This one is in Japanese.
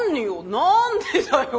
何でだよ？